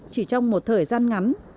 chỉ trong một thời gian ngắn